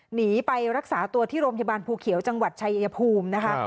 หนีไปรักษาตัวที่โรงพยาบาลภูเขียวจังหวัดชายภูมินะคะ